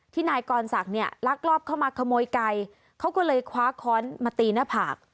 ที่นายกอร์นซักเนี้ยลากรอบเข้ามาขะโมยไก่เขาก็เลยคว้าค้อนมาตีหน้าผาก